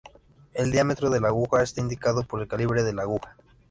El diámetro de la aguja está indicado por el calibre de la aguja.